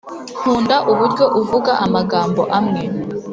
nkunda uburyo uvuga amagambo amwe